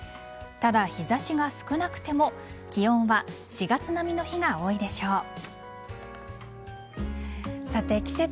ただ、日差しが少なくても気温は４月並みの日が多いでしょう。